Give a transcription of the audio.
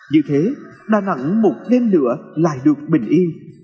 như thế đà nẵng một đêm nữa lại được bình yên